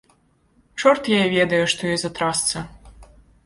Чорт яе ведае, што ёй за трасца.